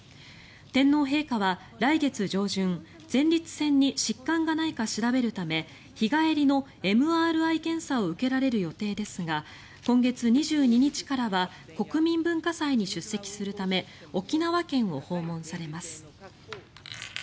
天皇陛下は来月上旬前立腺に疾患がないか調べるため日帰りのＭＲＩ検査を受けられる予定ですが今月２２日からは国民文化祭に出席するため沖縄県を訪問されます。